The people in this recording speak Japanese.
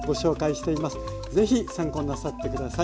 ぜひ参考になさって下さい。